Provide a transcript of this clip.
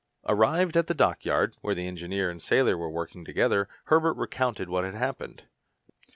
Arrived at the dockyard, where the engineer and the sailor were working together Herbert recounted what had happened.